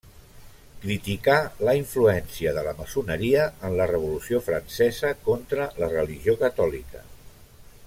Criticà la influència de la maçoneria en la Revolució Francesa contra la religió catòlica.